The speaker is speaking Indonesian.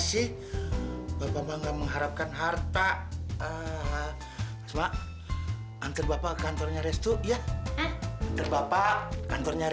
sampai jumpa di video selanjutnya